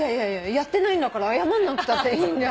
やってないんだから謝んなくたっていいんだよ。